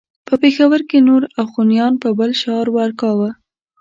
په پېښور کې نور اخوانیان به بل شعار ورکاوه.